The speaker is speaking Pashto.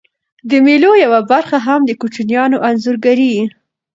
د مېلو یوه برخه هم د کوچنيانو انځورګرۍ يي.